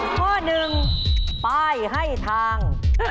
ข้อหนึ่งป้ายให้ทาง